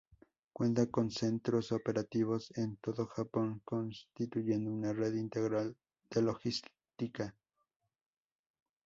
Cuenta con centros operativos en todo Japón, constituyendo una red integral de logística.